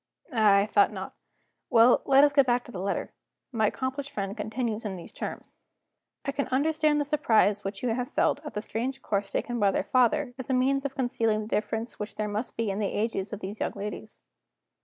Ah, I thought not. Well, let us get back to the letter. My accomplished friend continues in these terms: "'I can understand the surprise which you have felt at the strange course taken by their father, as a means of concealing the difference which there must be in the ages of these young ladies.